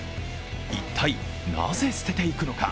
一体、なぜ捨てていくのか。